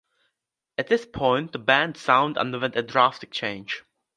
At this point the band's sound underwent a drastic change.